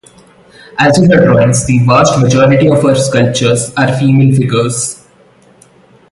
As in her drawings, the vast majority of her sculptures are female figures.